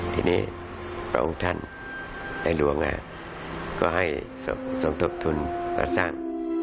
ทีนี้พระองค์ท่านในหลวงก็ให้สมทบทุนมาสร้าง